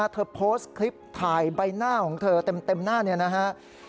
เธอโพสต์คลิปถ่ายใบหน้าของเธอเต็มหน้าเนี่ยนะฮะ